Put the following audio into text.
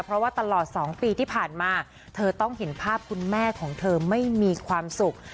เพราะว่าตลอด๒ปีที่ผ่านมาเธอต้องเห็นภาพคุณแม่ของเธอไม่มีความสุข